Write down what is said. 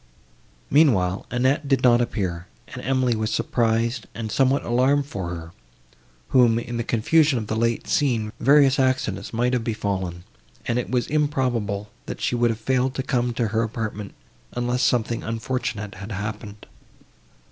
Meanwhile, Annette did not appear, and Emily was surprised, and somewhat alarmed for her, whom, in the confusion of the late scene, various accidents might have befallen, and it was improbable, that she would have failed to come to her apartment, unless something unfortunate had happened.